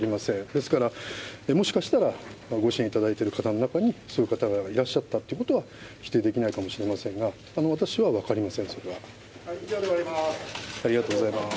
ですから、もしかしたらご支援いただいている方の中にそういう方がいらっしゃったということは否定できないかもしれませんが、私は分かりません、以上で終わります。